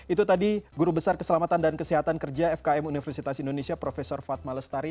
itu tadi guru besar keselamatan dan kesehatan kerja fkm universitas indonesia prof fatma lestari